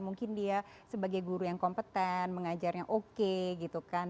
mungkin dia sebagai guru yang kompeten mengajarnya oke gitu kan